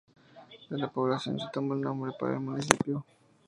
De la población se tomó el nombre para el municipio.